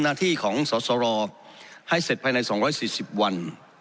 หน้าที่ของสอสรให้เสร็จภายในสองร้อยสี่สิบวัน